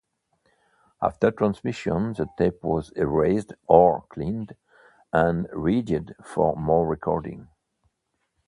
After transmission, the tape was erased or cleaned and readied for more recording.